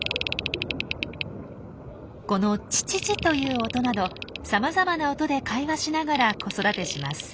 この「ちちち」という音などさまざまな音で会話しながら子育てします。